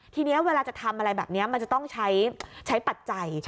ทีนี้เวลาจะทำอะไรแบบนี้มันจะต้องใช้ปัจจัย